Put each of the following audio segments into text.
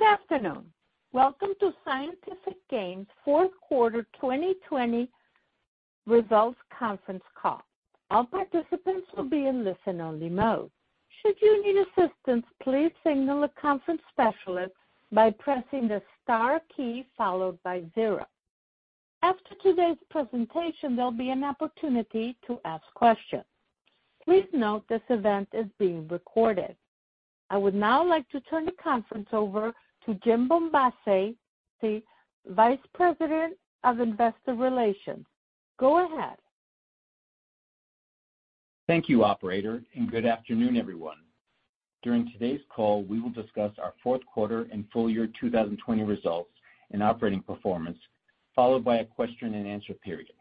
Good afternoon. Welcome to Scientific Games' Fourth Quarter 2020 Results Conference Call. All participants will be in listen-only mode. Should you need assistance, please signal a conference specialist by pressing the star key followed by zero. After today's presentation, there'll be an opportunity to ask questions. Please note this event is being recorded. I would now like to turn the conference over to Jim Bombassei, the Vice President of Investor Relations. Go ahead. Thank you, operator, and good afternoon, everyone. During today's call, we will discuss our fourth quarter and full year 2020 results and operating performance, followed by a question-and-answer period.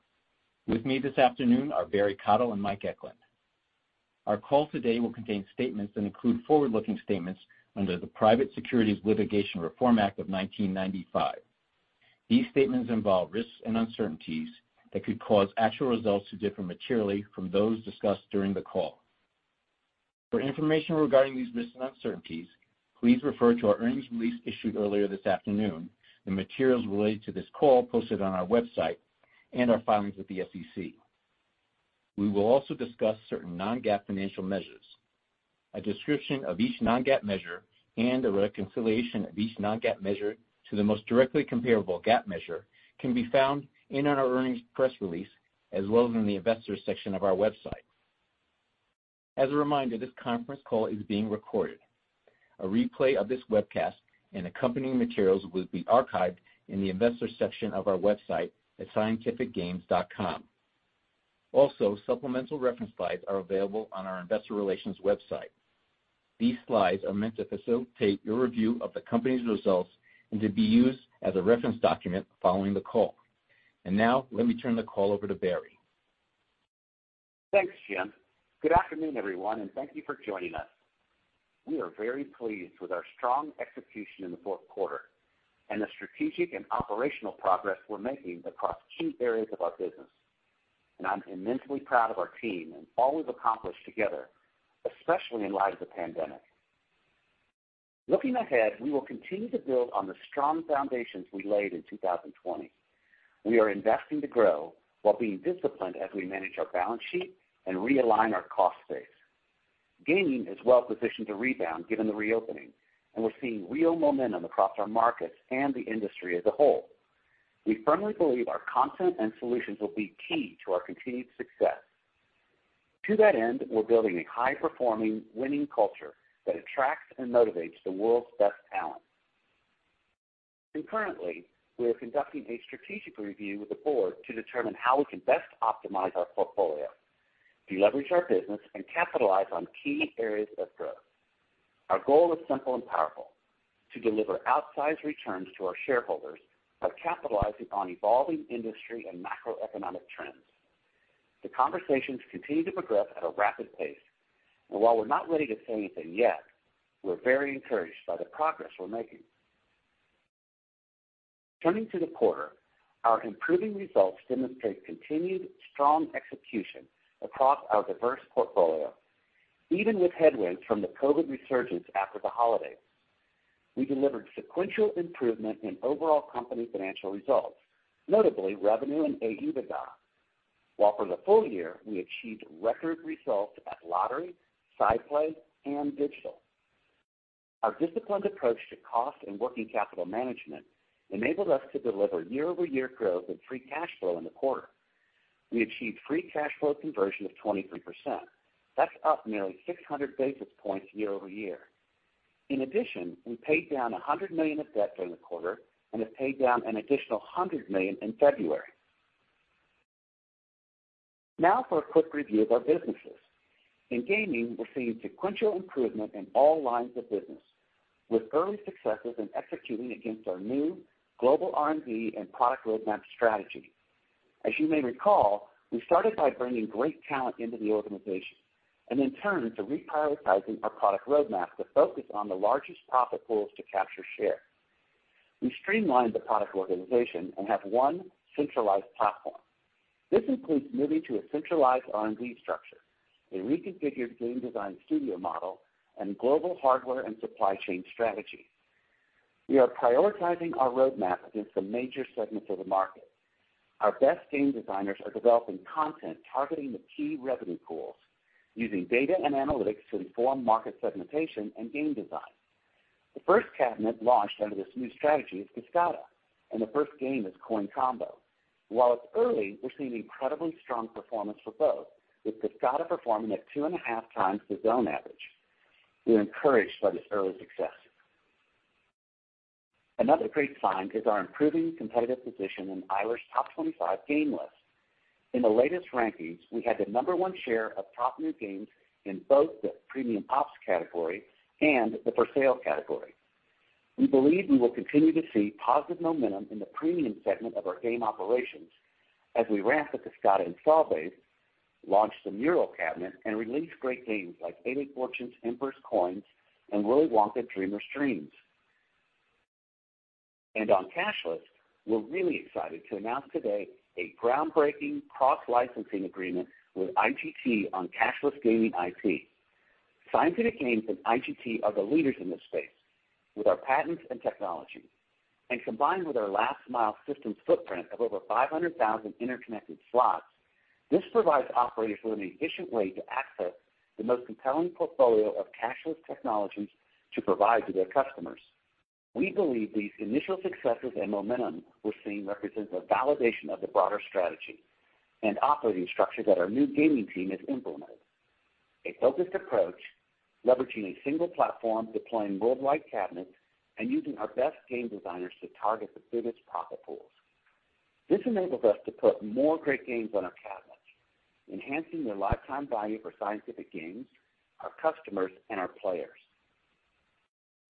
With me this afternoon are Barry Cottle and Mike Eklund. Our call today will contain statements that include forward-looking statements under the Private Securities Litigation Reform Act of 1995. These statements involve risks and uncertainties that could cause actual results to differ materially from those discussed during the call. For information regarding these risks and uncertainties, please refer to our earnings release issued earlier this afternoon, the materials related to this call posted on our website, and our filings with the SEC. We will also discuss certain non-GAAP financial measures. A description of each non-GAAP measure and a reconciliation of each non-GAAP measure to the most directly comparable GAAP measure can be found in our earnings press release, as well as in the Investors section of our website. As a reminder, this conference call is being recorded. A replay of this webcast and accompanying materials will be archived in the Investors section of our website at scientificgames.com. Also, supplemental reference slides are available on our investor relations website. These slides are meant to facilitate your review of the company's results and to be used as a reference document following the call, and now, let me turn the call over to Barry. Thanks, Jim. Good afternoon, everyone, and thank you for joining us. We are very pleased with our strong execution in the fourth quarter and the strategic and operational progress we're making across key areas of our business, and I'm immensely proud of our team and all we've accomplished together, especially in light of the pandemic. Looking ahead, we will continue to build on the strong foundations we laid in 2020. We are investing to grow while being disciplined as we manage our balance sheet and realign our cost base. Gaming is well positioned to rebound given the reopening, and we're seeing real momentum across our markets and the industry as a whole. We firmly believe our content and solutions will be key to our continued success. To that end, we're building a high-performing, winning culture that attracts and motivates the world's best talent. Concurrently, we are conducting a strategic review with the board to determine how we can best optimize our portfolio, deleverage our business, and capitalize on key areas of growth. Our goal is simple and powerful: to deliver outsized returns to our shareholders by capitalizing on evolving industry and macroeconomic trends. The conversations continue to progress at a rapid pace, and while we're not ready to say anything yet, we're very encouraged by the progress we're making. Turning to the quarter, our improving results demonstrate continued strong execution across our diverse portfolio, even with headwinds from the COVID resurgence after the holidays. We delivered sequential improvement in overall company financial results, notably revenue and EBITDA, while for the full year, we achieved record results at lottery, SciPlay, and digital. Our disciplined approach to cost and working capital management enabled us to deliver year-over-year growth in free cash flow in the quarter. We achieved free cash flow conversion of 23%. That's up nearly 600 basis points year-over-year. In addition, we paid down $100 million of debt during the quarter and have paid down an additional $100 million in February. Now for a quick review of our businesses. In gaming, we're seeing sequential improvement in all lines of business, with early successes in executing against our new global R&D and product roadmap strategy. As you may recall, we started by bringing great talent into the organization and then turned to reprioritizing our product roadmap to focus on the largest profit pools to capture share. We streamlined the product organization and have one centralized platform. This includes moving to a centralized R&D structure, a reconfigured game design studio model, and global hardware and supply chain strategy. We are prioritizing our roadmap against the major segments of the market. Our best game designers are developing content targeting the key revenue pools, using data and analytics to inform market segmentation and game design. The first cabinet launched under this new strategy is Kascada, and the first game is Coin Combo. While it's early, we're seeing incredibly strong performance for both, with Kascada performing at two and a half times the zone average. We're encouraged by this early success. Another great sign is our improving competitive position in Eilers' Top 25 Game list. In the latest rankings, we had the number one share of top new games in both the premium ops category and the for-sale category. We believe we will continue to see positive momentum in the premium segment of our game operations as we ramp up the Kascada install base, launch the Mural cabinet, and release great games like 88 Fortunes Emperor's Coins and Willy Wonka Dreamer of Dreams. And on cashless, we're really excited to announce today a groundbreaking cross-licensing agreement with IGT on cashless gaming IP. Scientific Games and IGT are the leaders in this space with our patents and technology, and combined with our last mile systems footprint of over five hundred thousand interconnected slots, this provides operators with an efficient way to access the most compelling portfolio of cashless technologies to provide to their customers. We believe these initial successes and momentum we're seeing represents a validation of the broader strategy and operating structure that our new gaming team has implemented. A focused approach, leveraging a single platform, deploying worldwide cabinets, and using our best game designers to target the biggest profit pools. This enables us to put more great games on our cabinets, enhancing their lifetime value for Scientific Games, our customers, and our players.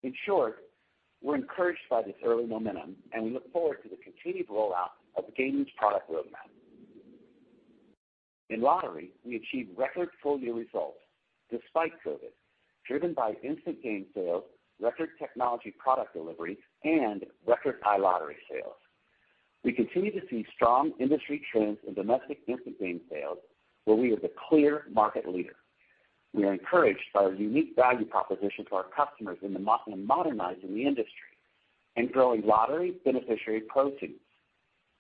In short, we're encouraged by this early momentum, and we look forward to the continued rollout of the gaming product roadmap. In lottery, we achieved record full-year results despite COVID, driven by instant game sales, record technology product delivery, and record iLottery sales. We continue to see strong industry trends in domestic instant game sales, where we are the clear market leader. We are encouraged by our unique value proposition to our customers in modernizing the industry and growing lottery beneficiary proceeds,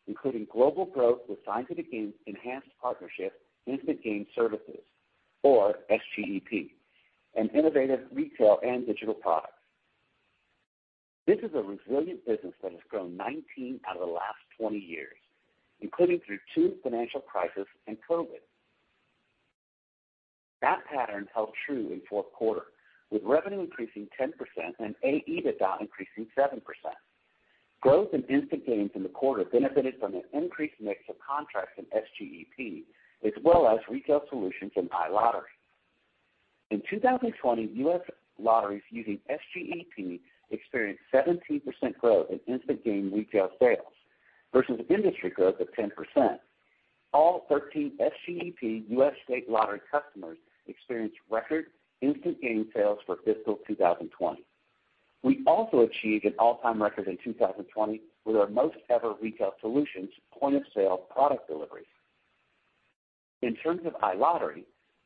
including global growth with Scientific Games Enhanced Partnership instant game services, or SGEP, and innovative retail and digital products. This is a resilient business that has grown 19 out of the last 20 years, including through two financial crises and COVID. That pattern held true in fourth quarter, with revenue increasing 10% and AEBITDA increasing 7%. Growth in instant games in the quarter benefited from an increased mix of contracts in SGEP, as well as retail solutions in iLottery. In 2020, U.S. lotteries using SGEP experienced 17% growth in instant game retail sales versus industry growth of 10%. All thirteen SGEP U.S. state lottery customers experienced record instant game sales for fiscal 2020. We also achieved an all-time record in 2020 with our most ever retail solutions point-of-sale product delivery. In terms of iLottery,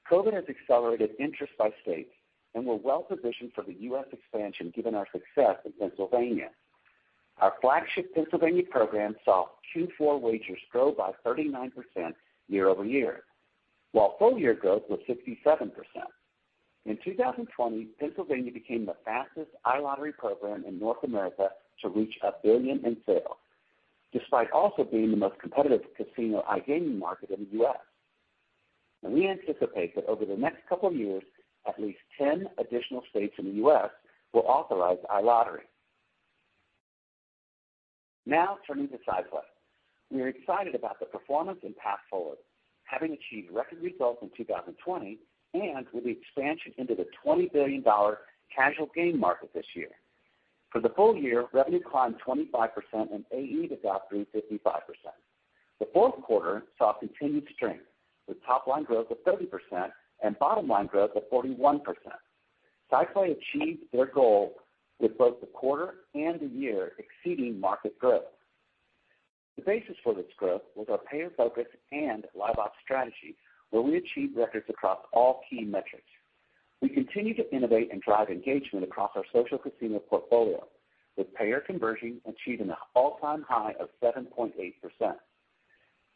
COVID has accelerated interest by states, and we're well positioned for the U.S. expansion, given our success in Pennsylvania. Our flagship Pennsylvania program saw Q4 wagers grow by 39% year-over-year, while full year growth was 67%. In 2020, Pennsylvania became the fastest iLottery program in North America to reach $1 billion in sales, despite also being the most competitive casino iGaming market in the U.S., and we anticipate that over the next couple years, at least 10 additional states in the U.S. will authorize iLottery. Now, turning to SciPlay. We are excited about the performance and path forward, having achieved record results in 2020, and with the expansion into the $20 billion casual game market this year. For the full year, revenue climbed 25%, and AEBITDA grew 55%. The fourth quarter saw continued strength, with top line growth of 30% and bottom line growth of 41%. SciPlay achieved their goal with both the quarter and the year exceeding market growth. The basis for this growth was our payer focus and live ops strategy, where we achieved records across all key metrics. We continue to innovate and drive engagement across our social casino portfolio, with payer conversion achieving an all-time high of 7.8%,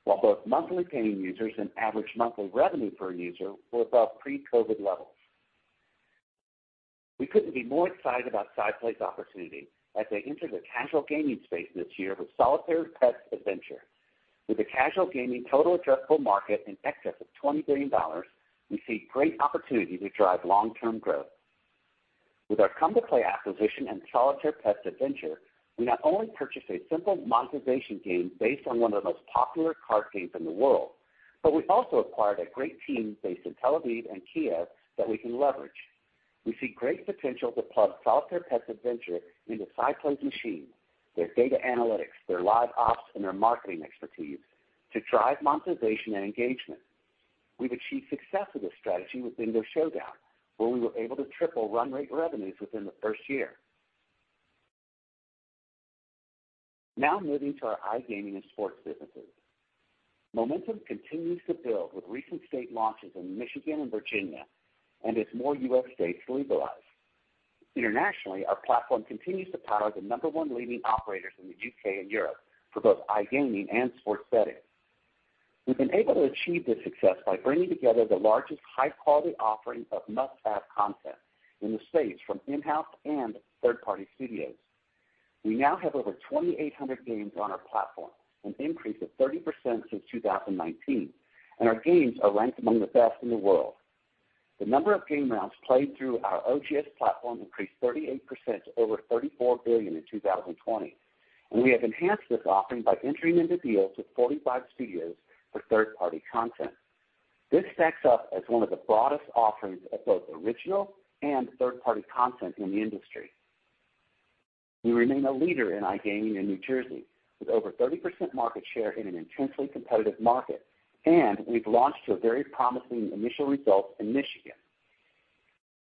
while both monthly paying users and average monthly revenue per user were above pre-COVID levels. We couldn't be more excited about SciPlay's opportunity as they enter the casual gaming space this year with solitaire Pets Adventure. With the casual gaming total addressable market in excess of $20 billion, we see great opportunity to drive long-term growth. With our Come2Play acquisition and solitaire Pets Adventure, we not only purchased a simple monetization game based on one of the most popular card games in the world, but we also acquired a great team based in Tel Aviv and Kiev that we can leverage. We see great potential to plug solitaire Pets Adventure into SciPlay's machine, their data analytics, their live ops, and their marketing expertise to drive monetization and engagement. We've achieved success with this strategy with bingo Showdown, where we were able to triple run rate revenues within the first year. Now moving to our iGaming and sports businesses. Momentum continues to build with recent state launches in Michigan and Virginia, and as more US states legalize. Internationally, our platform continues to power the number one leading operators in the UK and Europe for both iGaming and sports betting. We've been able to achieve this success by bringing together the largest high-quality offerings of must-have content in the space, from in-house and third-party studios. We now have over 2,800 games on our platform, an increase of 30% since 2019, and our games are ranked among the best in the world. The number of game rounds played through our OGS platform increased 38% to over 34 billion in 2020, and we have enhanced this offering by entering into deals with 45 studios for third-party content. This stacks up as one of the broadest offerings of both original and third-party content in the industry. We remain a leader in iGaming in New Jersey, with over 30% market share in an intensely competitive market, and we've launched to a very promising initial result in Michigan.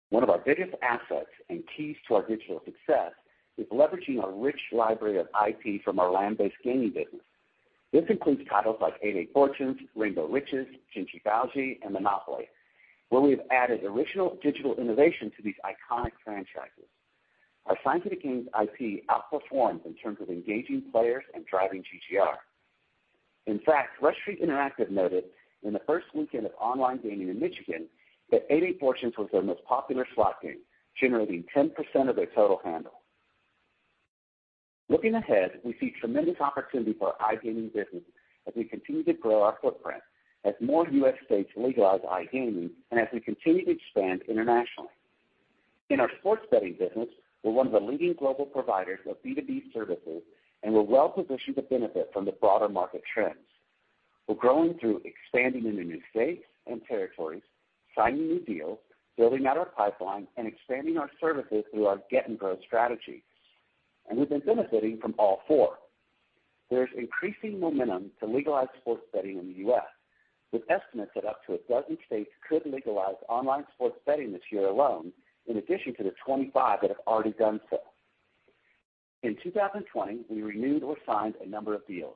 One of our biggest assets and keys to our digital success is leveraging our rich library of IP from our land-based gaming business. This includes titles like 88 Fortunes, Rainbow Riches, Jin Ji Bao Xi, and Monopoly, where we have added original digital innovation to these iconic franchises. Our Scientific Games IP outperforms in terms of engaging players and driving GGR. In fact, Rush Street Interactive noted in the first weekend of online gaming in Michigan, that 88 Fortunes was their most popular slot game, generating 10% of their total handle. Looking ahead, we see tremendous opportunity for our iGaming business as we continue to grow our footprint, as more U.S. states legalize iGaming, and as we continue to expand internationally. In our sports betting business, we're one of the leading global providers of B2B services, and we're well-positioned to benefit from the broader market trends. We're growing through expanding into new states and territories, signing new deals, building out our pipeline, and expanding our services through our get and grow strategy, and we've been benefiting from all four. There's increasing momentum to legalize sports betting in the U.S., with estimates that up to a dozen states could legalize online sports betting this year alone, in addition to the twenty-five that have already done so. In 2020, we renewed or signed a number of deals,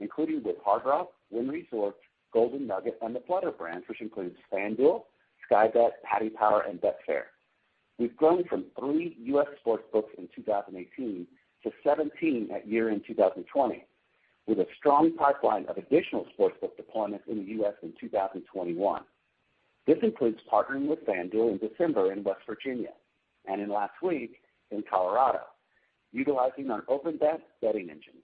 including with Hard Rock, Wynn Resorts, Golden Nugget, and the Flutter brands, which includes FanDuel, SkyBet, Paddy Power, and Betfair. We've grown from three U.S. sports books in 2018 to 17 at 2020 with a strong pipeline of additional sports book deployments in the U.S. in 2021. This includes partnering with FanDuel in December in West Virginia, and in last week in Colorado, utilizing our OpenBet betting engine.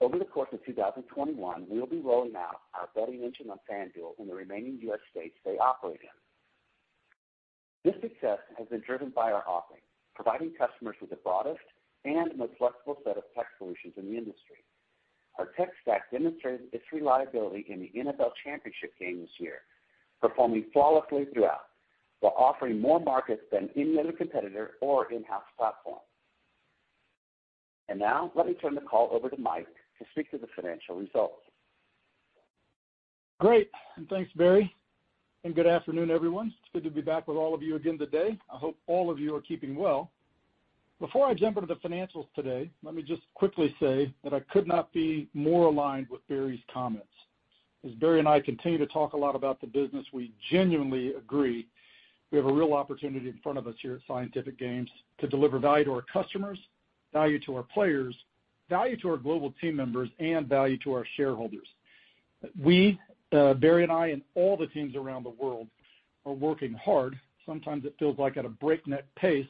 Over the course of 2021, we will be rolling out our betting engine on FanDuel in the remaining U.S. states they operate in. This success has been driven by our offering, providing customers with the broadest and most flexible set of tech solutions in the industry. Our tech stack demonstrated its reliability in the NFL championship game this year, performing flawlessly throughout, while offering more markets than any other competitor or in-house platform. And now, let me turn the call over to Mike to speak to the financial results. Great, and thanks, Barry, and good afternoon, everyone. It's good to be back with all of you again today. I hope all of you are keeping well. Before I jump into the financials today, let me just quickly say that I could not be more aligned with Barry's comments. As Barry and I continue to talk a lot about the business, we genuinely agree we have a real opportunity in front of us here at Scientific Games to deliver value to our customers, value to our players, value to our global team members, and value to our shareholders. We, Barry and I, and all the teams around the world are working hard, sometimes it feels like at a breakneck pace,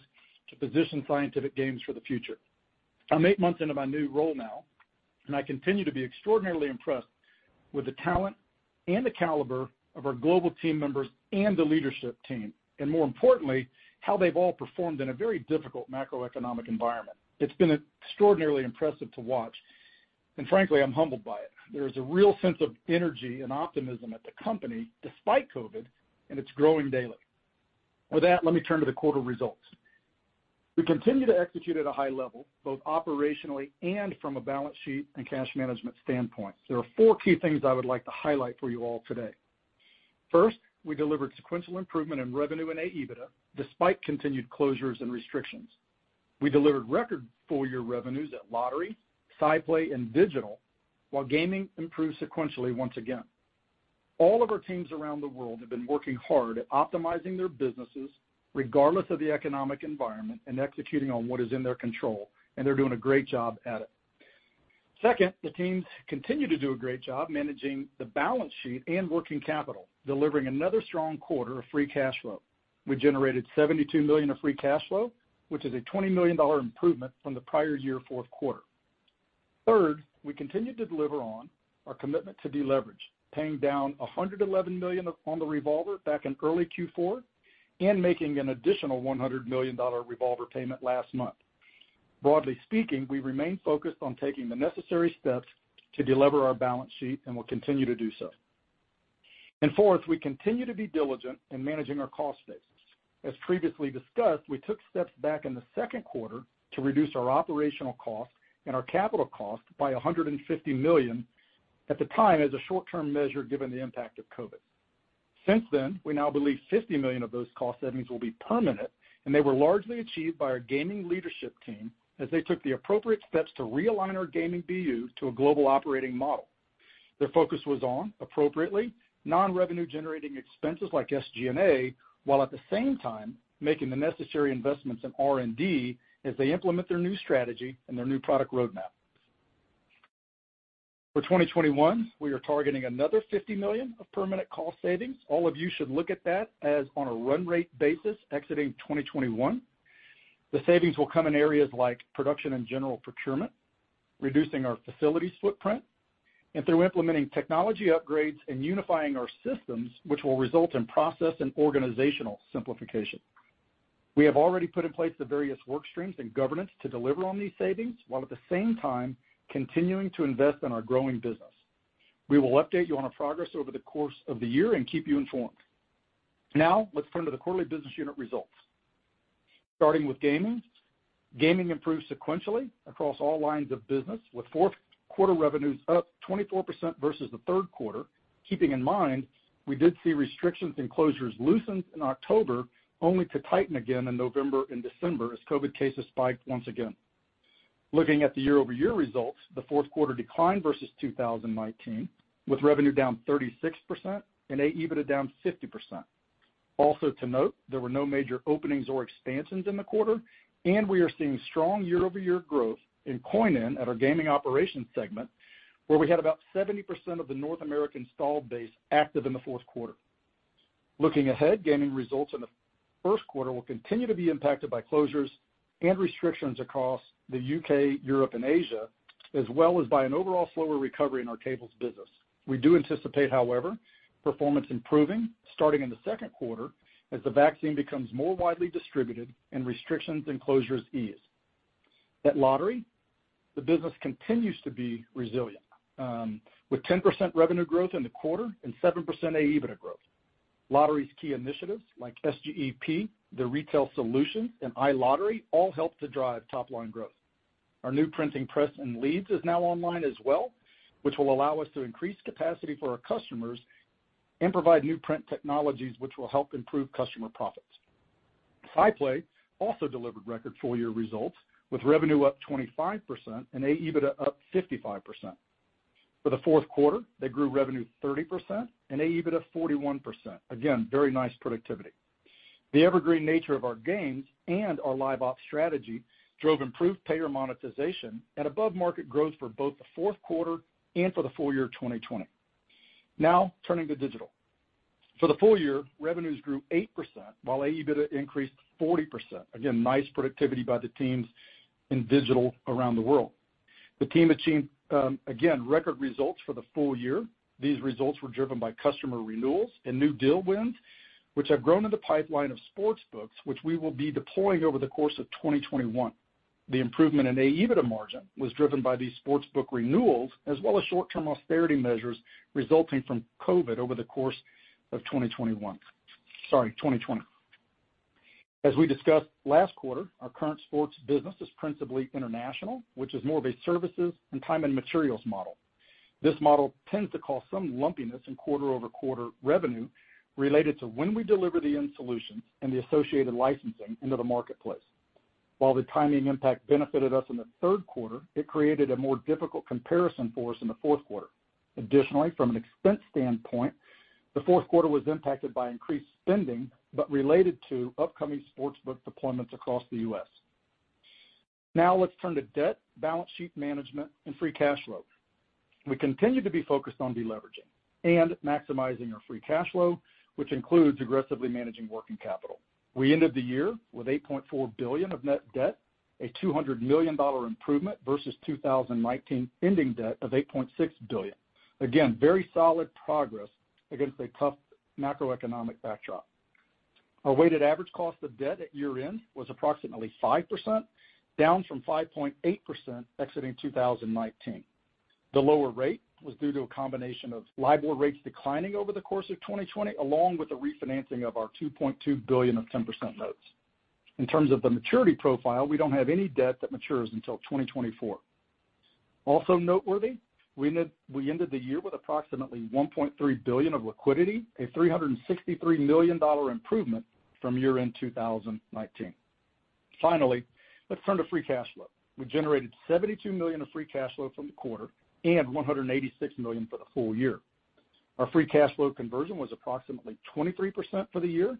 to position Scientific Games for the future. I'm eight months into my new role now, and I continue to be extraordinarily impressed with the talent and the caliber of our global team members and the leadership team, and more importantly, how they've all performed in a very difficult macroeconomic environment. It's been extraordinarily impressive to watch, and frankly, I'm humbled by it. There is a real sense of energy and optimism at the company, despite COVID, and it's growing daily. With that, let me turn to the quarter results. We continue to execute at a high level, both operationally and from a balance sheet and cash management standpoint. There are four key things I would like to highlight for you all today. First, we delivered sequential improvement in revenue and AEBITDA, despite continued closures and restrictions. We delivered record full-year revenues at Lottery, SciPlay, and Digital, while Gaming improved sequentially once again. All of our teams around the world have been working hard at optimizing their businesses, regardless of the economic environment, and executing on what is in their control, and they're doing a great job at it. Second, the teams continue to do a great job managing the balance sheet and working capital, delivering another strong quarter of free cash flow. We generated $72 million of free cash flow, which is a $20 million improvement from the prior year fourth quarter. Third, we continued to deliver on our commitment to deleverage, paying down $111 million on the revolver back in early Q4, and making an additional $100 million revolver payment last month. Broadly speaking, we remain focused on taking the necessary steps to deleverage our balance sheet, and will continue to do so. And fourth, we continue to be diligent in managing our cost base. As previously discussed, we took steps back in the second quarter to reduce our operational cost and our capital cost by $150 million, at the time, as a short-term measure, given the impact of COVID. Since then, we now believe $50 million of those cost savings will be permanent, and they were largely achieved by our gaming leadership team as they took the appropriate steps to realign our gaming BUs to a global operating model. Their focus was on, appropriately, non-revenue generating expenses like SG&A, while at the same time, making the necessary investments in R&D as they implement their new strategy and their new product roadmap. For 2021, we are targeting another $50 million of permanent cost savings. All of you should look at that as on a run rate basis exiting 2021. The savings will come in areas like production and general procurement, reducing our facilities footprint, and through implementing technology upgrades and unifying our systems, which will result in process and organizational simplification. We have already put in place the various work streams and governance to deliver on these savings, while at the same time, continuing to invest in our growing business. We will update you on our progress over the course of the year and keep you informed. Now, let's turn to the quarterly business unit results. Starting with gaming. Gaming improved sequentially across all lines of business, with fourth quarter revenues up 24% versus the third quarter, keeping in mind, we did see restrictions and closures loosened in October, only to tighten again in November and December as COVID cases spiked once again. Looking at the year-over-year results, the fourth quarter declined versus 2019, with revenue down 36% and AEBITDA down 50%. Also to note, there were no major openings or expansions in the quarter, and we are seeing strong year-over-year growth in coin in at our gaming operations segment, where we had about 70% of the North American installed base active in the fourth quarter. Looking ahead, gaming results in the first quarter will continue to be impacted by closures and restrictions across the UK, Europe, and Asia, as well as by an overall slower recovery in our tables business. We do anticipate, however, performance improving starting in the second quarter as the vaccine becomes more widely distributed and restrictions and closures ease. At Lottery, the business continues to be resilient, with 10% revenue growth in the quarter and 7% AEBITDA growth. Lottery's key initiatives like SGEP, the Retail Solutions and iLottery, all help to drive top line growth. Our new printing press in Leeds is now online as well, which will allow us to increase capacity for our customers and provide new print technologies, which will help improve customer profits. SciPlay also delivered record full year results, with revenue up 25% and AEBITDA up 55%. For the fourth quarter, they grew revenue 30% and AEBITDA 41%. Again, very nice productivity. The evergreen nature of our games and our live ops strategy drove improved payer monetization and above market growth for both the fourth quarter and for the full year of twenty twenty. Now, turning to digital. For the full year, revenues grew 8%, while AEBITDA increased 40%. Again, nice productivity by the teams in digital around the world. The team achieved again, record results for the full year. These results were driven by customer renewals and new deal wins, which have grown in the pipeline of sports books, which we will be deploying over the course of 2021. The improvement in AEBITDA margin was driven by these sports book renewals, as well as short-term austerity measures resulting from COVID over the course of 2021. Sorry, 2020. As we discussed last quarter, our current sports business is principally international, which is more of a services and time and materials model. This model tends to cause some lumpiness in quarter-over-quarter revenue related to Wynn we deliver the end solutions and the associated licensing into the marketplace. While the timing impact benefited us in the third quarter, it created a more difficult comparison for us in the fourth quarter. Additionally, from an expense standpoint, the fourth quarter was impacted by increased spending, but related to upcoming sports book deployments across the U.S. Now, let's turn to debt, balance sheet management, and free cash flow. We continue to be focused on deleveraging and maximizing our free cash flow, which includes aggressively managing working capital. We ended the year with $8.4 billion of net debt, a $200 million improvement versus 2019 ending debt of $8.6 billion. Again, very solid progress against a tough macroeconomic backdrop. Our weighted average cost of debt at year-end was approximately 5%, down from 5.8% exiting 2019. The lower rate was due to a combination of LIBOR rates declining over the course of 2020, along with the refinancing of our $2.2 billion of 10% notes. In terms of the maturity profile, we don't have any debt that matures until 2024. Also noteworthy, we ended the year with approximately $1.3 billion of liquidity, a $363 million improvement from year-end 2019. Finally, let's turn to free cash flow. We generated $72 million of free cash flow from the quarter and $186 million for the full year. Our free cash flow conversion was approximately 23% for the year,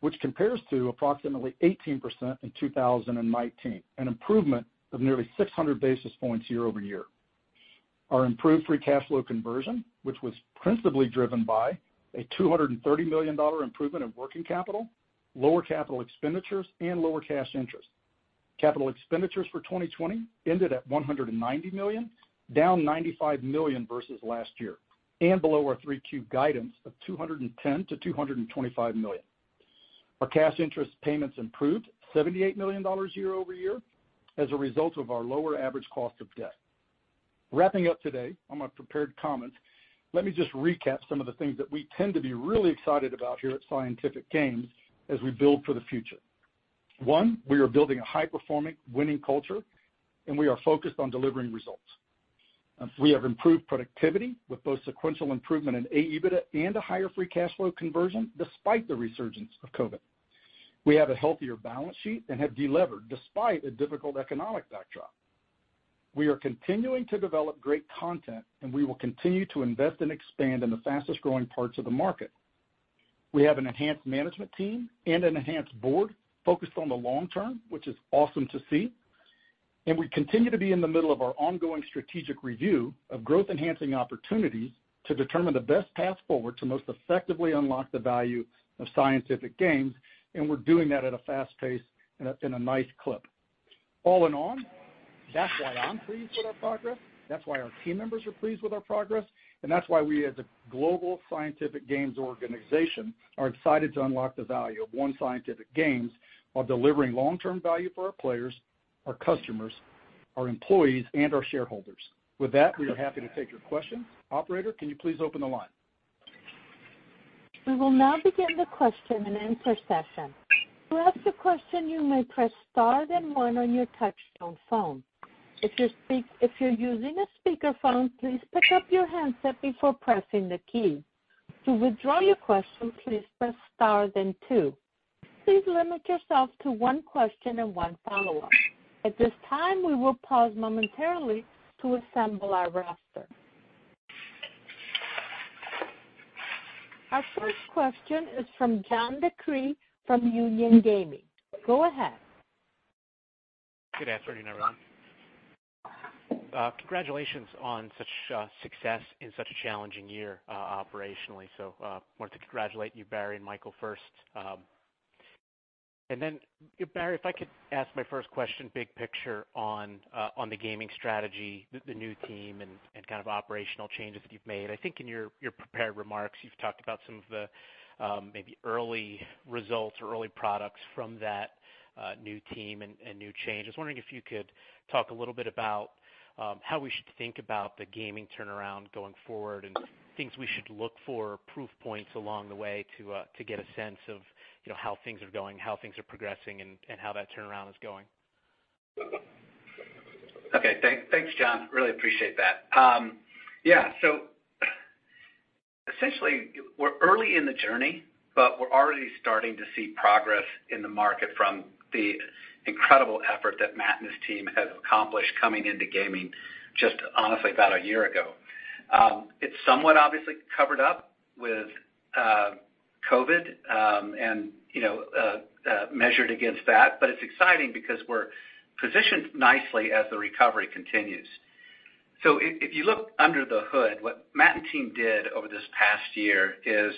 which compares to approximately 18% in 2019, an improvement of nearly 600 basis points year-over-year. Our improved free cash flow conversion, which was principally driven by a $230 million improvement in working capital, lower capital expenditures, and lower cash interest. Capital expenditures for 2020 ended at $190 million, down $95 million versus last year, and below our 3Q guidance of $210-$225 million. Our cash interest payments improved $78 million year over year as a result of our lower average cost of debt. Wrapping up today on my prepared comments, let me just recap some of the things that we tend to be really excited about here at Scientific Games as we build for the future. One, we are building a high-performing winning culture, and we are focused on delivering results. We have improved productivity with both sequential improvement in AEBITDA and a higher free cash flow conversion, despite the resurgence of COVID. We have a healthier balance sheet and have delevered despite a difficult economic backdrop. We are continuing to develop great content, and we will continue to invest and expand in the fastest growing parts of the market. We have an enhanced management team and an enhanced board focused on the long term, which is awesome to see, and we continue to be in the middle of our ongoing strategic review of growth-enhancing opportunities to determine the best path forward to most effectively unlock the value of Scientific Games, and we're doing that at a fast pace and in a nice clip. All in all, that's why I'm pleased with our progress, that's why our team members are pleased with our progress, and that's why we, as a global Scientific Games organization, are excited to unlock the value of one Scientific Games while delivering long-term value for our players, our customers, our employees, and our shareholders. With that, we are happy to take your questions. Operator, can you please open the line?... We will now begin the question-and-answer session. To ask a question, you may press star then one on your touchtone phone. If you're using a speakerphone, please pick up your handset before pressing the key. To withdraw your question, please press star then two. Please limit yourself to one question and one follow-up. At this time, we will pause momentarily to assemble our roster. Our first question is from John DeCree from Union Gaming. Go ahead. Good afternoon, everyone. Congratulations on such success in such a challenging year operationally, so wanted to congratulate you, Barry and Michael, first, and then, Barry, if I could ask my first question, big picture on the gaming strategy, the new team and kind of operational changes you've made. I think in your prepared remarks, you've talked about some of the maybe early results or early products from that new team and new changes. I was wondering if you could talk a little bit about how we should think about the gaming turnaround going forward, and things we should look for or proof points along the way to get a sense of, you know, how things are going, how things are progressing, and how that turnaround is going. Okay. Thank, thanks, John. Really appreciate that. Yeah, so essentially, we're early in the journey, but we're already starting to see progress in the market from the incredible effort that Matt and his team have accomplished coming into gaming, just honestly, about a year ago. It's somewhat obviously covered up with COVID, and, you know, measured against that, but it's exciting because we're positioned nicely as the recovery continues. So if you look under the hood, what Matt and team did over this past year is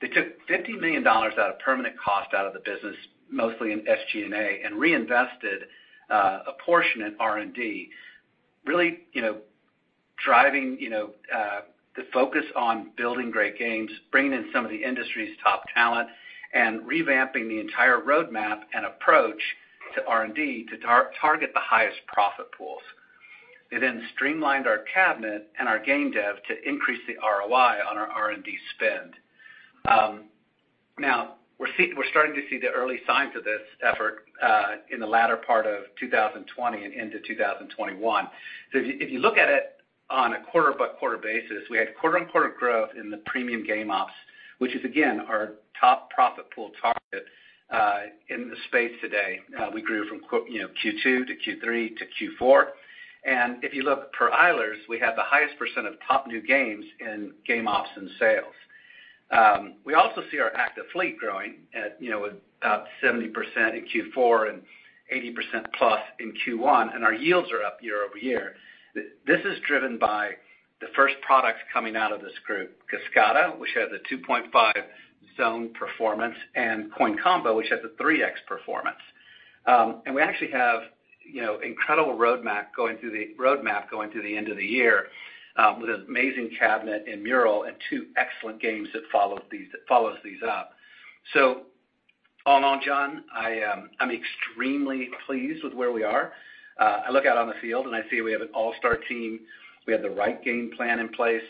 they took $50 million out of permanent cost out of the business, mostly in SG&A, and reinvested a portion in R&D. Really, you know, driving, you know, the focus on building great games, bringing in some of the industry's top talent, and revamping the entire roadmap and approach to R&D to target the highest profit pools. They then streamlined our cabinet and our game dev to increase the ROI on our R&D spend. Now, we're starting to see the early signs of this effort in the latter part of 2020 and into 2021. So if you look at it on a quarter-by-quarter basis, we had quarter-on-quarter growth in the premium game ops, which is, again, our top profit pool target in the space today. We grew from you know, Q2 to Q3 to Q4. And if you look for Eilers, we have the highest % of top new games in game ops and sales. We also see our active fleet growing at, you know, about 70% in Q4 and 80% plus in Q1, and our yields are up year-over-year. This is driven by the first products coming out of this group, Kascada, which has a 2.5-zone performance, and Coin Combo, which has a 3X performance, and we actually have, you know, incredible roadmap going through the end of the year, with an amazing cabinet in Mural and two excellent games that follow these, that follows these up. So all in all, John, I, I'm extremely pleased with where we are. I look out on the field, and I see we have an all-star team, we have the right game plan in place,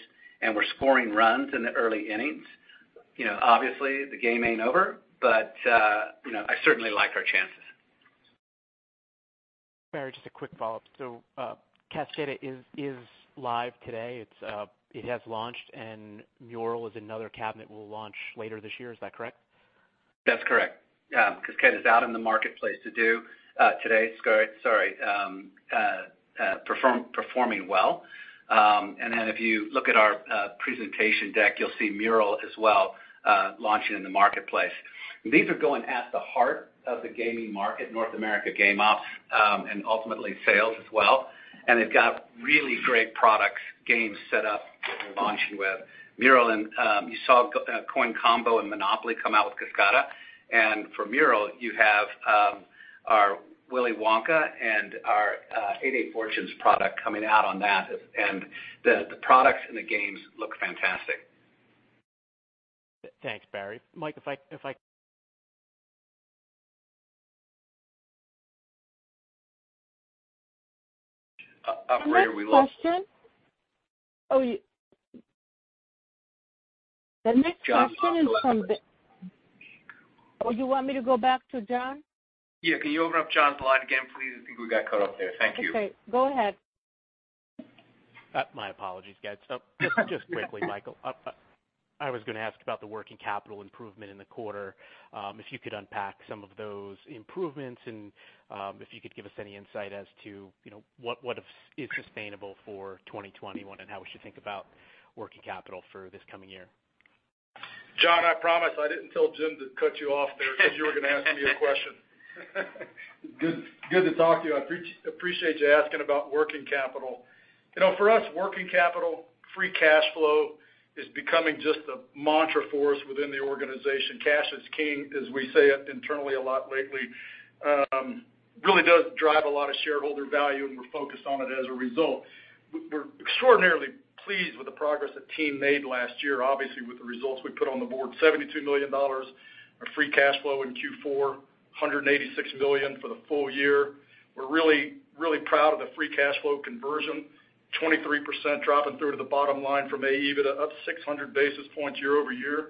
and we're scoring runs in the early innings. You know, obviously, the game ain't over, but, you know, I certainly like our chances. Barry, just a quick follow-up, so Kascada is live today. It has launched, and Mural is another cabinet we'll launch later this year. Is that correct? That's correct. Yeah, Kascada is out in the marketplace today. It's currently performing well. And then if you look at our presentation deck, you'll see Mural as well launching in the marketplace. These are going at the heart of the gaming market, North America game ops, and ultimately sales as well, and they've got really great products, games set up that we're launching with. Mural and you saw Coin Combo and Monopoly come out with Kascada, and for Mural, you have our Willy Wonka and our 88 Fortunes product coming out on that, and the products and the games look fantastic. Thanks, Barry. Mike, if I... I'm afraid we lost you. The next question... Oh, you- the next question is from- John Oh, you want me to go back to John? Yeah, can you open up John's line again, please? I think we got cut off there. Thank you. Okay, go ahead. My apologies, guys. So just quickly, Michael, I was gonna ask about the working capital improvement in the quarter. If you could unpack some of those improvements, and if you could give us any insight as to, you know, what is sustainable for 2021, and how we should think about working capital for this coming year. John, I promise I didn't tell Jim to cut you off there because you were gonna ask me a question. Good, good to talk to you. I appreciate you asking about working capital. You know, for us, working capital, free cash flow is becoming just a mantra for us within the organization. Cash is king, as we say it internally a lot lately. Really does drive a lot of shareholder value, and we're focused on it as a result. We're extraordinarily pleased with the progress the team made last year, obviously, with the results we put on the board. $72 million of free cash flow in Q4, $186 million for the full year. We're really, really proud of the free cash flow conversion.... 23% dropping through to the bottom line from AEBITDA, up 600 basis points year-over-year.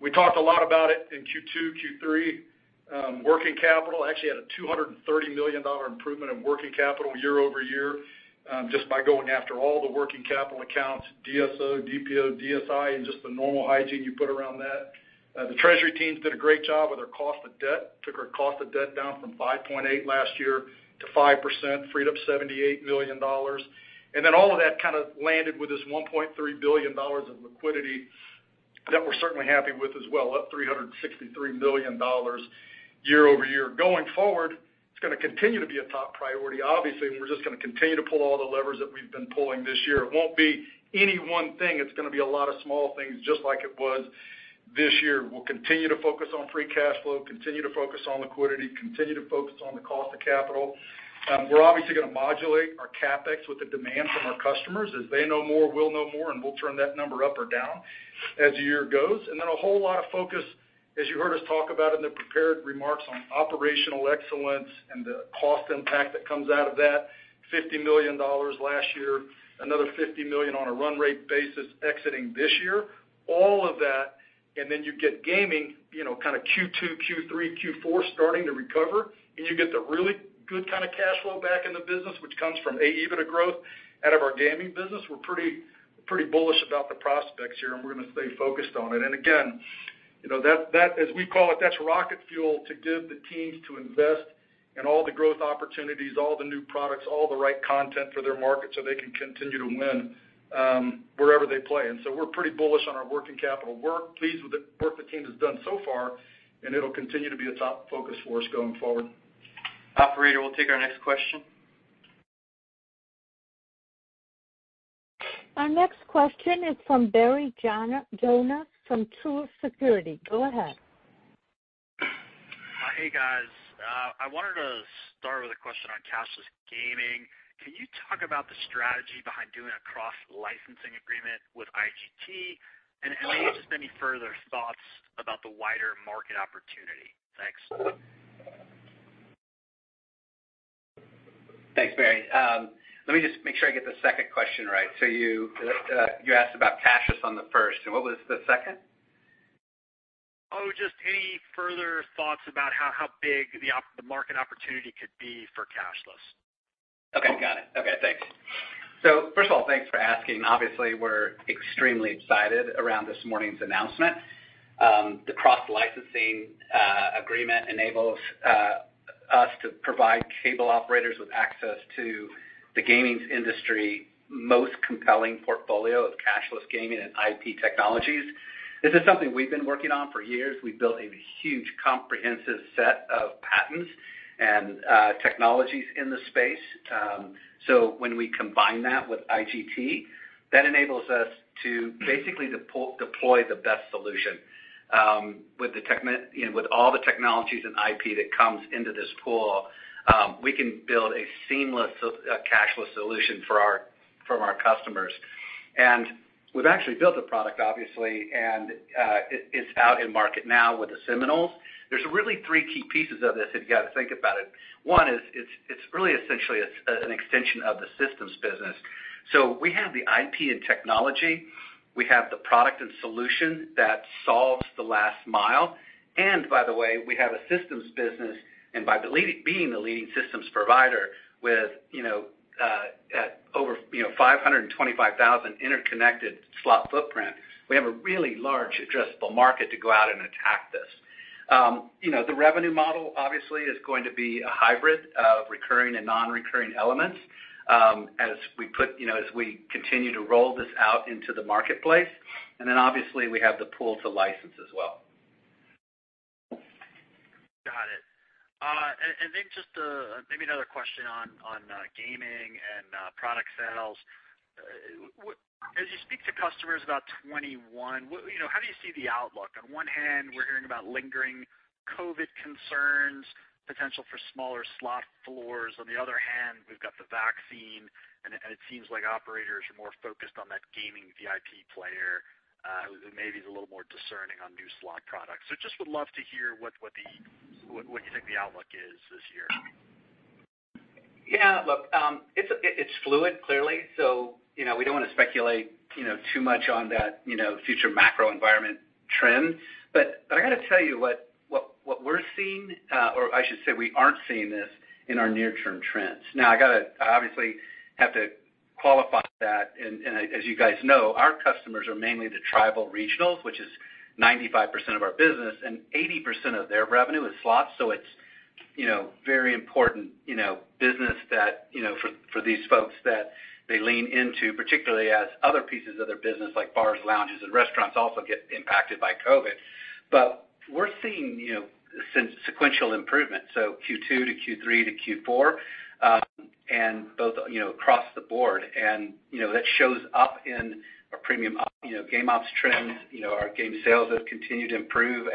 We talked a lot about it in Q2, Q3. Working capital actually had a $230 million improvement in working capital year-over-year, just by going after all the working capital accounts, DSO, DPO, DSI, and just the normal hygiene you put around that. The treasury teams did a great job with their cost of debt, took our cost of debt down from 5.8% last year to 5%, freed up $78 million. And then all of that kind of landed with this $1.3 billion of liquidity that we're certainly happy with as well, up $363 million year-over-year. Going forward, it's going to continue to be a top priority. Obviously, we're just going to continue to pull all the levers that we've been pulling this year. It won't be any one thing, it's going to be a lot of small things, just like it was this year. We'll continue to focus on free cash flow, continue to focus on liquidity, continue to focus on the cost of capital. We're obviously going to modulate our CapEx with the demand from our customers. As they know more, we'll know more, and we'll turn that number up or down as the year goes, and then a whole lot of focus, as you heard us talk about in the prepared remarks on operational excellence and the cost impact that comes out of that, $50 million last year, another $50 million on a run rate basis exiting this year. All of that, and then you get gaming, you know, kind of Q2, Q3, Q4, starting to recover, and you get the really good kind of cash flow back in the business, which comes from AEBITDA growth out of our gaming business. We're pretty, pretty bullish about the prospects here, and we're going to stay focused on it. And again, you know, that, as we call it, that's rocket fuel to give the teams to invest in all the growth opportunities, all the new products, all the right content for their market, so they can continue to win wherever they play. And so we're pretty bullish on our working capital work, pleased with the work the team has done so far, and it'll continue to be a top focus for us going forward. Operator, we'll take our next question. Our next question is from Barry Jonas from Truist Securities. Go ahead. Hey, guys. I wanted to start with a question on cashless gaming. Can you talk about the strategy behind doing a cross-licensing agreement with IGT? And just any further thoughts about the wider market opportunity? Thanks. Thanks, Barry. Let me just make sure I get the second question right. So you asked about cashless on the first, and what was the second? Oh, just any further thoughts about how big the market opportunity could be for cashless? Okay, got it. Okay, thanks. So first of all, thanks for asking. Obviously, we're extremely excited around this morning's announcement. The cross-licensing agreement enables us to provide casino operators with access to the gaming industry's most compelling portfolio of cashless gaming and IP technologies. This is something we've been working on for years. We've built a huge, comprehensive set of patents and technologies in the space. So when we combine that with IGT, that enables us to basically deploy the best solution. With you know, with all the technologies and IP that comes into this pool, we can build a seamless cashless solution from our customers. And we've actually built a product, obviously, and it, it's out in market now with the Seminoles. There's really three key pieces of this, if you got to think about it. One is, it's really essentially an extension of the systems business. So we have the IP and technology, we have the product and solution that solves the last mile, and by the way, we have a systems business, and by being the leading systems provider with, you know, at over 525,000 interconnected slot footprint, we have a really large addressable market to go out and attack this. You know, the revenue model obviously is going to be a hybrid of recurring and non-recurring elements, as we put, you know, as we continue to roll this out into the marketplace, and then obviously, we have the pool to license as well. Got it, and then just maybe another question on gaming and product sales. As you speak to customers about 2021, what, you know, how do you see the outlook? On one hand, we're hearing about lingering COVID concerns, potential for smaller slot floors. On the other hand, we've got the vaccine, and it seems like operators are more focused on that gaming VIP player who maybe is a little more discerning on new slot products. Just would love to hear what you think the outlook is this year. Yeah, look, it's fluid, clearly. So, you know, we don't want to speculate, you know, too much on that, you know, future macro environment trend. But I got to tell you what we're seeing, or I should say we aren't seeing this in our near-term trends. Now, I obviously have to qualify that, and as you guys know, our customers are mainly the tribal regionals, which is 95% of our business, and 80% of their revenue is slots. So it's, you know, very important, you know, business that, you know, for these folks that they lean into, particularly as other pieces of their business, like bars, lounges, and restaurants, also get impacted by COVID. But we're seeing, you know, some sequential improvement, so Q2 to Q3 to Q4, and, you know, across the board. And, you know, that shows up in our premium ops, you know, game ops trends. You know, our game sales have continued to improve,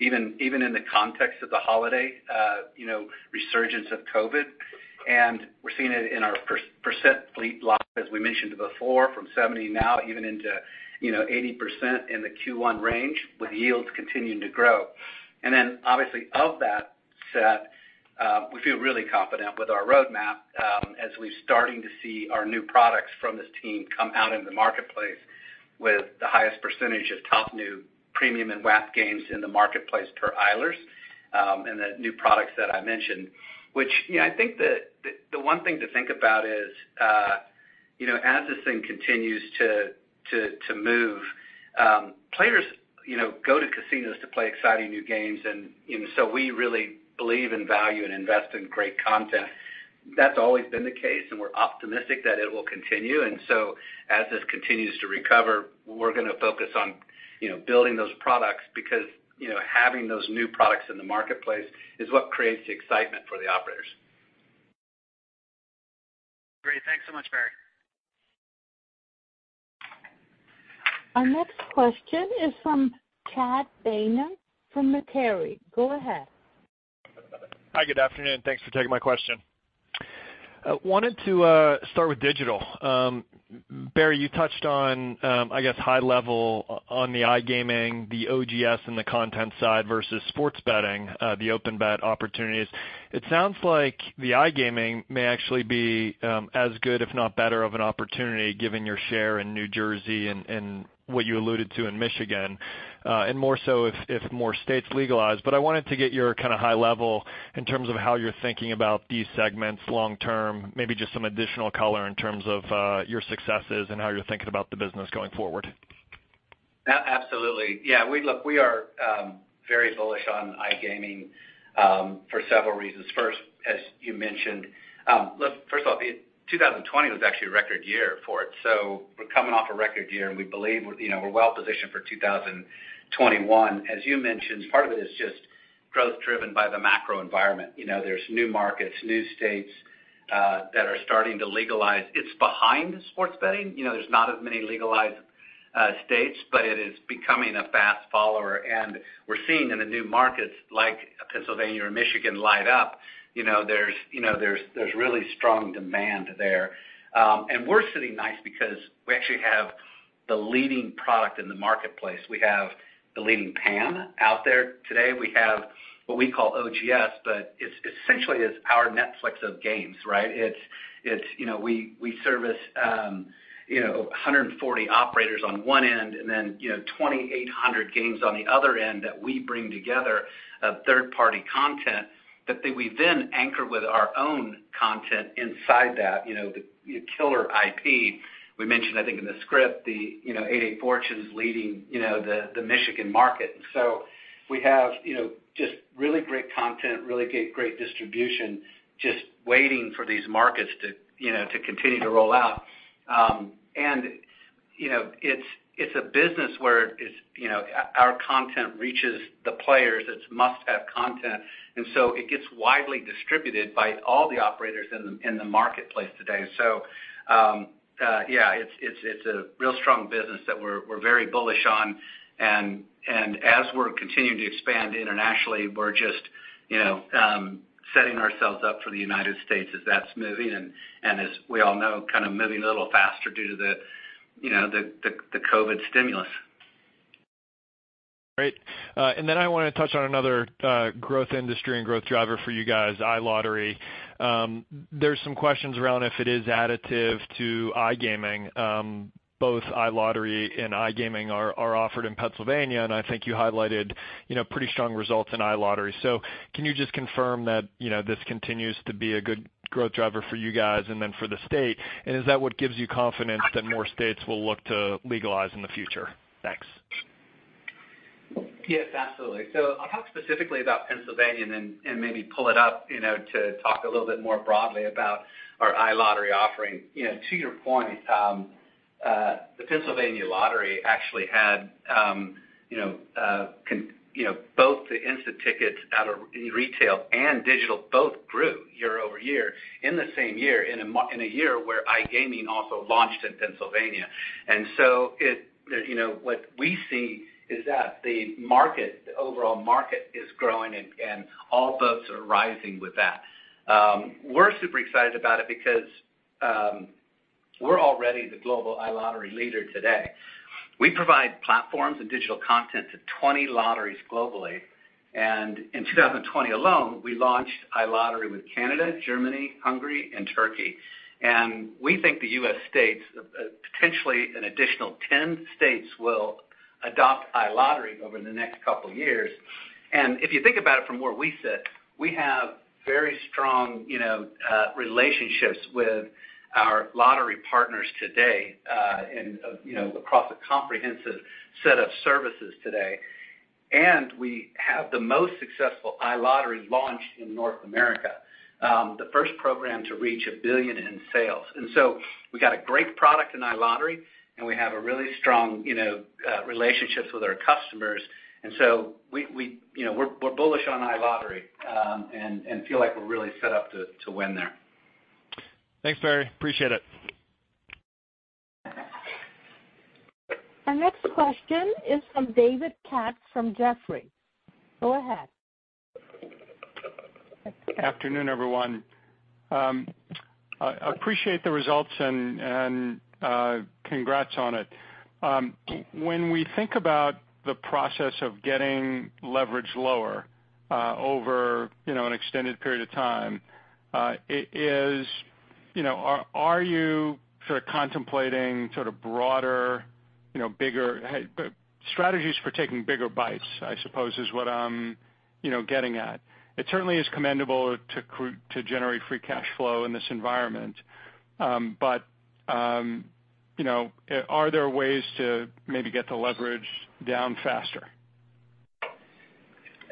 even in the context of the holiday, you know, resurgence of COVID. And we're seeing it in our percent fleet loss, as we mentioned before, from 70 now, even into, you know, 80% in the Q1 range, with yields continuing to grow. And then, obviously, of that set-... We feel really confident with our roadmap, as we're starting to see our new products from this team come out in the marketplace with the highest percentage of top new premium and WAP games in the marketplace per Eilers, and the new products that I mentioned, which, you know, I think the one thing to think about is, you know, as this thing continues to move, players, you know, go to casinos to play exciting new games, and, you know, so we really believe in value and invest in great content. That's always been the case, and we're optimistic that it will continue, and so as this continues to recover, we're gonna focus on, you know, building those products because, you know, having those new products in the marketplace is what creates the excitement for the operators. Great. Thanks so much, Barry. Our next question is from Chad Beynon from Macquarie. Go ahead. Hi, good afternoon. Thanks for taking my question. I wanted to start with digital. Barry, you touched on, I guess, high level on the iGaming, the OGS, and the content side versus sports betting, the OpenBet opportunities. It sounds like the iGaming may actually be as good, if not better, of an opportunity, given your share in New Jersey and, and what you alluded to in Michigan, and more so if, if more states legalize. But I wanted to get your kind of high level in terms of how you're thinking about these segments long term, maybe just some additional color in terms of your successes and how you're thinking about the business going forward. Absolutely. Yeah, look, we are very bullish on iGaming for several reasons. First, as you mentioned, look, first of all, the 2020 was actually a record year for it, so we're coming off a record year, and we believe, you know, we're well positioned for 2021. As you mentioned, part of it is just growth driven by the macro environment. You know, there's new markets, new states that are starting to legalize. It's behind sports betting. You know, there's not as many legalized states, but it is becoming a fast follower, and we're seeing in the new markets, like Pennsylvania or Michigan, light up, you know, there's really strong demand there. And we're sitting nice because we actually have the leading product in the marketplace. We have the leading PAM out there today. We have what we call OGS, but it's essentially our Netflix of games, right? It's you know we service you know 140 operators on one end, and then you know 2,800 games on the other end that we bring together third-party content, that we then anchor with our own content inside that you know the killer IP. We mentioned, I think, in the script, you know 88 Fortunes leading you know the Michigan market. So we have you know just really great content, really great distribution, just waiting for these markets to you know continue to roll out. And you know it's a business where it's you know our content reaches the players. It's must-have content, and so it gets widely distributed by all the operators in the marketplace today. So, yeah, it's a real strong business that we're very bullish on. And as we're continuing to expand internationally, we're just, you know, setting ourselves up for the United States as that's moving, and as we all know, kind of moving a little faster due to the, you know, the COVID stimulus. Great, and then I wanna touch on another growth industry and growth driver for you guys, iLottery. There's some questions around if it is additive to iGaming. Both iLottery and iGaming are offered in Pennsylvania, and I think you highlighted, you know, pretty strong results in iLottery, so can you just confirm that, you know, this continues to be a good growth driver for you guys and then for the state, and is that what gives you confidence that more states will look to legalize in the future? Thanks. Yes, absolutely. So I'll talk specifically about Pennsylvania and then, and maybe pull it up, you know, to talk a little bit more broadly about our iLottery offering. You know, to your point, the Pennsylvania Lottery actually had, you know, both the instant tickets out of retail and digital both grew year-over-year, in the same year, in a year where iGaming also launched in Pennsylvania. And so it... You know, what we see is that the market, the overall market, is growing and, and all boats are rising with that. We're super excited about it because, we're already the global iLottery leader today. We provide platforms and digital content to 20 lotteries globally, and in 2020 alone, we launched iLottery with Canada, Germany, Hungary, and Turkey. We think the U.S. states potentially an additional 10 states will adopt iLottery over the next couple years. If you think about it from where we sit, we have very strong, you know, relationships with our lottery partners today, and, you know, across a comprehensive set of services today, and we have the most successful iLottery launch in North America, the first program to reach $1 billion in sales. So we got a great product in iLottery, and we have a really strong, you know, relationships with our customers, and so we, you know, we're bullish on iLottery, and feel like we're really set up to win there. Thanks, Barry. Appreciate it. Our next question is from David Katz from Jefferies. Go ahead. Afternoon, everyone.... I appreciate the results and, congrats on it. When we think about the process of getting leverage lower, over you know an extended period of time, is you know are you sort of contemplating sort of broader you know bigger strategies for taking bigger bites, I suppose, is what I'm you know getting at? It certainly is commendable to generate free cash flow in this environment, but you know are there ways to maybe get the leverage down faster?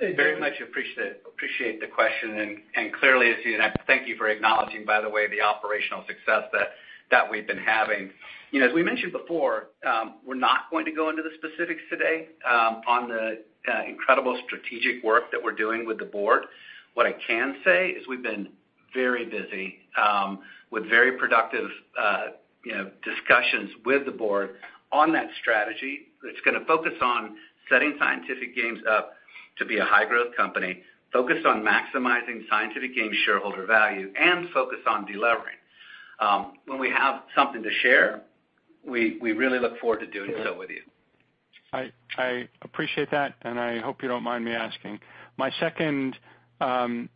Very much appreciate the question, and clearly, as you, and I thank you for acknowledging, by the way, the operational success that we've been having. You know, as we mentioned before, we're not going to go into the specifics today, on the incredible strategic work that we're doing with the board. What I can say is we've been very busy, with very productive, you know, discussions with the board on that strategy, that's gonna focus on setting Scientific Games up to be a high growth company, focused on maximizing Scientific Games shareholder value, and focused on delivering. When we have something to share, we really look forward to doing so with you. I, I appreciate that, and I hope you don't mind me asking. My second, you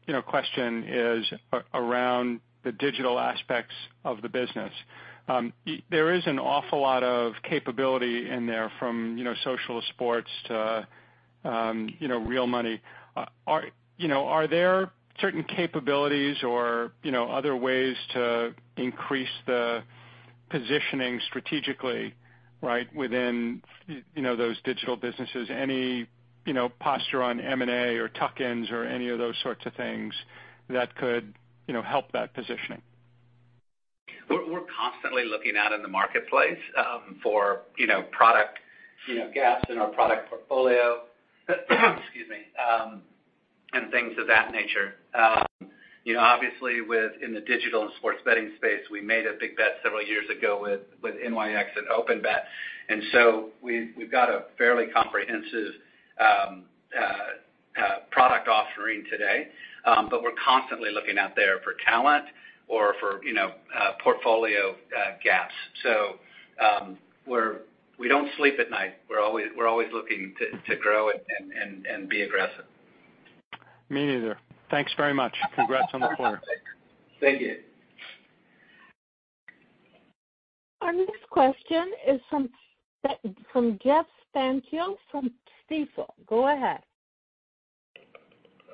know, question is around the digital aspects of the business. There is an awful lot of capability in there from, you know, social sports to, you know, real money. Are there certain capabilities or, you know, other ways to increase the positioning strategically, right, within, you know, those digital businesses? Any, you know, posture on M&A or tuck-ins or any of those sorts of things that could, you know, help that positioning? We're constantly looking out in the marketplace for, you know, product, you know, gaps in our product portfolio, excuse me, and things of that nature. You know, obviously, in the digital and sports betting space, we made a big bet several years ago with NYX and OpenBet. And so we've got a fairly comprehensive product offering today, but we're constantly looking out there for talent or for, you know, portfolio gaps. So, we don't sleep at night. We're always looking to grow and be aggressive. Me neither. Thanks very much. Congrats on the quarter. Thank you. Our next question is from Jeff Stantial from Stifel. Go ahead.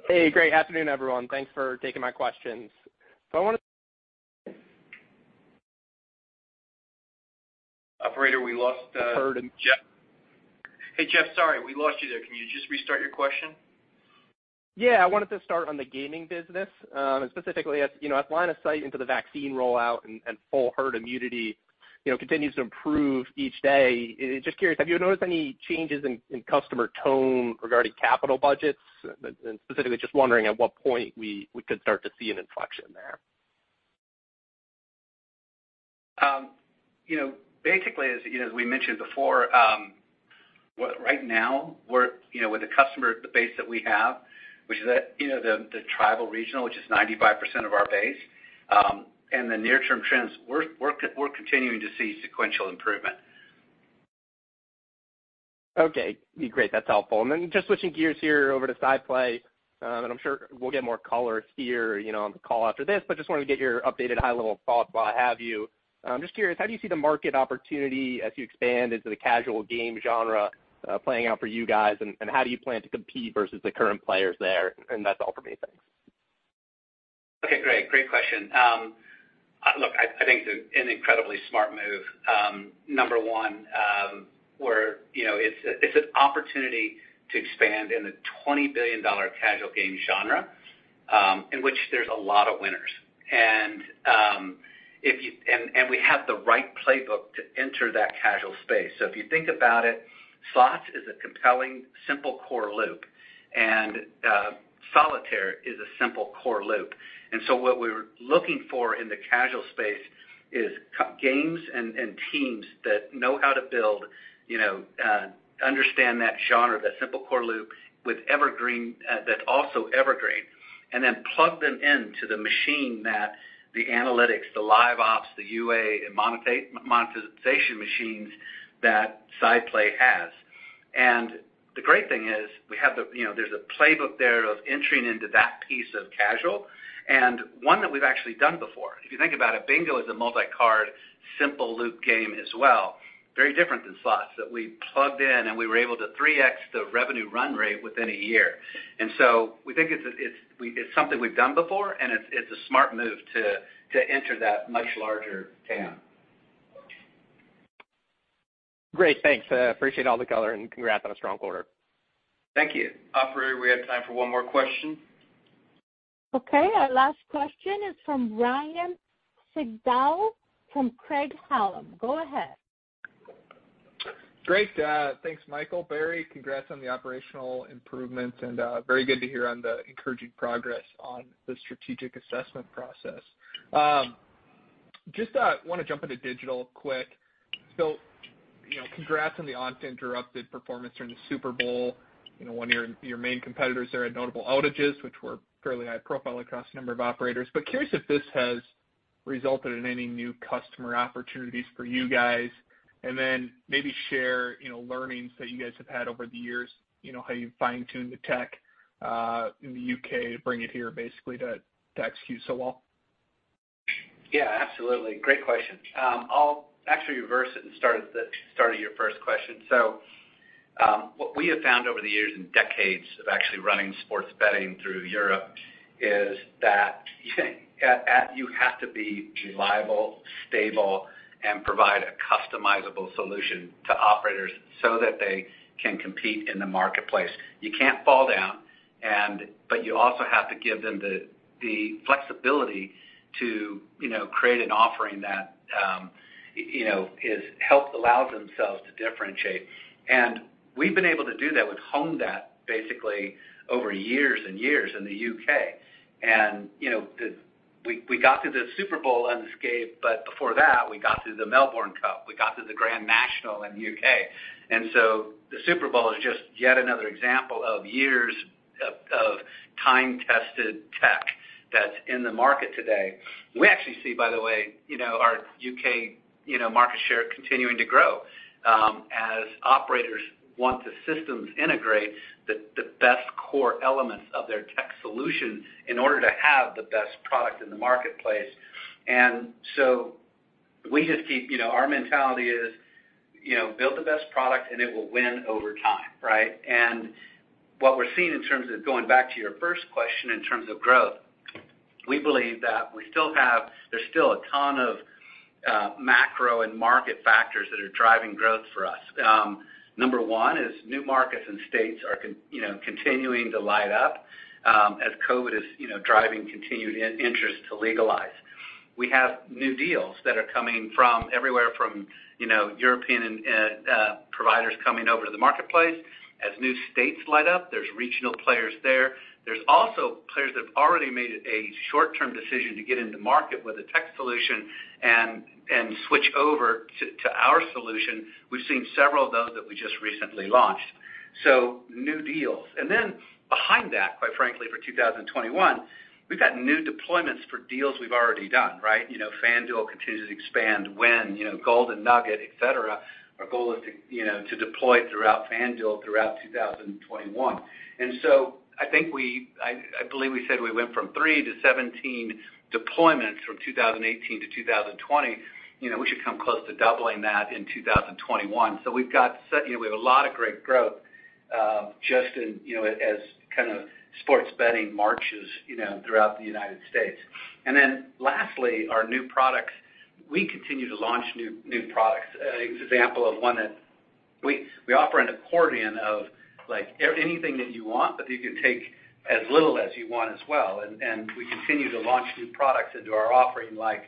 Hey, great afternoon, everyone. Thanks for taking my questions. So I wanna- Operator, we lost Jeff. Hey, Jeff, sorry, we lost you there. Can you just restart your question? Yeah, I wanted to start on the gaming business, and specifically as, you know, as line of sight into the vaccine rollout and full herd immunity, you know, continues to improve each day. Just curious, have you noticed any changes in customer tone regarding capital budgets? And specifically, just wondering at what point we could start to see an inflection there. You know, basically, as you know, as we mentioned before, right now, we're, you know, with the customer base that we have, which is at, you know, the tribal regional, which is 95% of our base, and the near-term trends, we're continuing to see sequential improvement. Okay, great. That's helpful, and then just switching gears here over to SciPlay, and I'm sure we'll get more color here, you know, on the call after this, but just wanted to get your updated high level thoughts while I have you. I'm just curious, how do you see the market opportunity as you expand into the casual game genre, playing out for you guys, and how do you plan to compete versus the current players there? And that's all for me. Thanks. Okay, great. Great question. Look, I think it's an incredibly smart move. Number one, we're, you know, it's an opportunity to expand in the $20 billion casual game genre, in which there's a lot of winners. And if you... And we have the right playbook to enter that casual space. So if you think about it, slots is a compelling, simple core loop, and solitaire is a simple core loop. And so what we were looking for in the casual space is games and teams that know how to build, you know, understand that genre, that simple core loop with evergreen, that's also evergreen, and then plug them into the machine that the analytics, the live ops, the UA, and monetization machines that SciPlay has. The great thing is, we have the, you know, there's a playbook there of entering into that piece of casual, and one that we've actually done before. If you think about it, bingo is a multi-card, simple loop game as well, very different than slots, that we plugged in, and we were able to 3x the revenue run rate within a year. We think it's something we've done before, and it's a smart move to enter that much larger TAM. Great, thanks. Appreciate all the color and congrats on a strong quarter. Thank you. Operator, we have time for one more question. Okay, our last question is from Ryan Sigdahl from Craig-Hallum. Go ahead. Great. Thanks, Michael. Barry, congrats on the operational improvements, and very good to hear on the encouraging progress on the strategic assessment process. Just wanna jump into digital quick. So-... You know, congrats on the uninterrupted performance during the Super Bowl. You know, one of your main competitors there had notable outages, which were fairly high profile across a number of operators. But curious if this has resulted in any new customer opportunities for you guys, and then maybe share, you know, learnings that you guys have had over the years, you know, how you fine-tune the tech in the UK to bring it here basically to execute so well? Yeah, absolutely. Great question. I'll actually reverse it and start at the start of your first question. So, what we have found over the years and decades of actually running sports betting through Europe is that you have to be reliable, stable, and provide a customizable solution to operators so that they can compete in the marketplace. You can't fall down, and, but you also have to give them the flexibility to, you know, create an offering that, you know, helps allows themselves to differentiate. And we've been able to do that with OpenBet, basically, over years and years in the U.K. And, you know, we got through the Super Bowl unscathed, but before that, we got through the Melbourne Cup, we got through the Grand National in the U.K. And so the Super Bowl is just yet another example of years of time-tested tech that's in the market today. We actually see, by the way, you know, our U.K., you know, market share continuing to grow, as operators want the systems integrate the best core elements of their tech solution in order to have the best product in the marketplace. And so we just keep. You know, our mentality is, you know, build the best product and it will win over time, right? And what we're seeing in terms of going back to your first question in terms of growth, we believe that we still have. There's still a ton of macro and market factors that are driving growth for us. Number one is new markets and states are continuing to light up as COVID is driving continued interest to legalize. We have new deals that are coming from everywhere from European and providers coming over to the marketplace. As new states light up, there's regional players there. There's also players that have already made a short-term decision to get into market with a tech solution and switch over to our solution. We've seen several of those that we just recently launched. So new deals. And then behind that, quite frankly, for 2021, we've got new deployments for deals we've already done, right? You know, FanDuel continues to expand when Golden Nugget, et cetera. Our goal is to deploy throughout FanDuel throughout 2021. And so I believe we said we went from three to 17 deployments from 2018 to 2020. You know, we should come close to doubling that in 2021. So we've got set, you know, we have a lot of great growth just in, you know, as kind of sports betting marches, you know, throughout the United States. And then lastly, our new products. We continue to launch new products. An example of one that... We offer an accordion of, like, anything that you want, but you can take as little as you want as well. And we continue to launch new products into our offering, like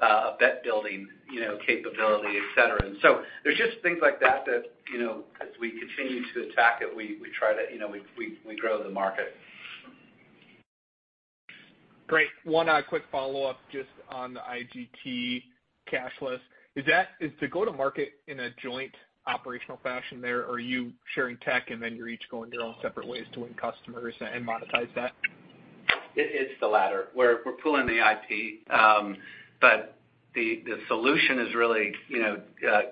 a bet building, you know, capability, et cetera. And so there's just things like that that, you know, as we continue to attack it, we grow the market. Great. One quick follow-up just on the IGT cashless. Is that to go to market in a joint operational fashion there, or are you sharing tech, and then you're each going your own separate ways to win customers and monetize that? It's the latter. We're pooling the IP, but the solution is really, you know,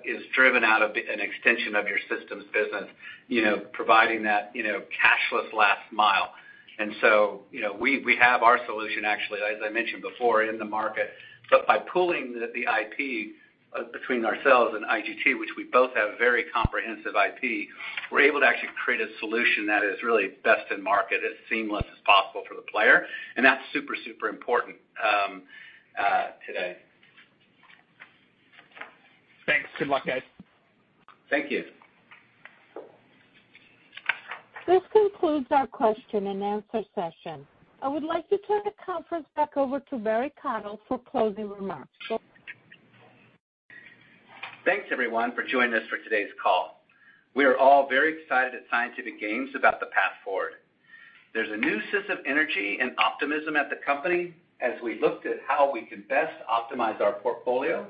is driven out of an extension of your systems business, you know, providing that, you know, cashless last mile. And so, you know, we have our solution, actually, as I mentioned before, in the market. But by pooling the IP between ourselves and IGT, which we both have very comprehensive IP, we're able to actually create a solution that is really best in market, as seamless as possible for the player, and that's super, super important today. Thanks. Good luck, guys. Thank you. This concludes our question-and-answer session. I would like to turn the conference back over to Barry Cottle for closing remarks. Go ahead. Thanks, everyone, for joining us for today's call. We are all very excited at Scientific Games about the path forward. There's a new sense of energy and optimism at the company as we looked at how we can best optimize our portfolio,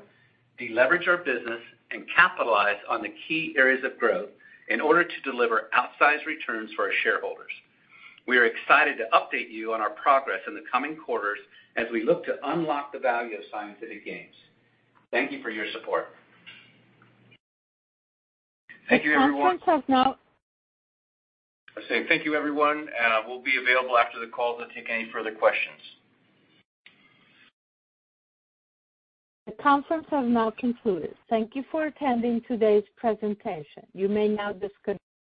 deleverage our business, and capitalize on the key areas of growth in order to deliver outsized returns for our shareholders. We are excited to update you on our progress in the coming quarters as we look to unlock the value of Scientific Games. Thank you for your support. Thank you, everyone. The conference has now- I say thank you, everyone, and we'll be available after the call to take any further questions. The conference has now concluded. Thank you for attending today's presentation. You may now disconnect.